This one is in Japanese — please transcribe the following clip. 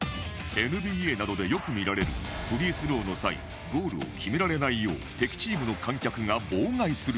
ＮＢＡ などでよく見られるフリースローの際ゴールを決められないよう敵チームの観客が妨害する行為